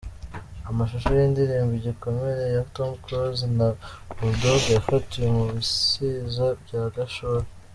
Amashusho y’indirimbo "Igikomere" ya Tom Close na Bulldogg yafatiwe mu bisiza bya Gashora.